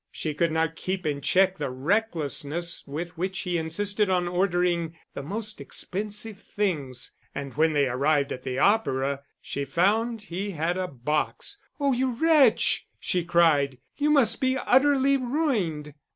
She could not keep in check the recklessness with which he insisted on ordering the most expensive things; and when they arrived at the opera, she found he had a box. "Oh, you wretch," she cried. "You must be utterly ruined."